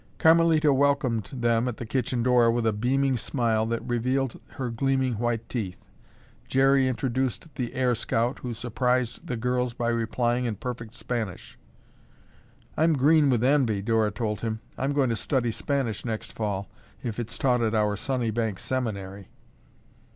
Carmelita welcomed them at the kitchen door with a beaming smile that revealed her gleaming white teeth. Jerry introduced the air scout who surprised the girls by replying in perfect Spanish. "I'm green with envy!" Dora told him. "I'm going to study Spanish next fall if it's taught at our Sunnybank Seminary."